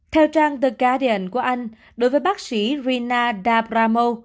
theo trang the guardian của anh đối với bác sĩ rina dabramo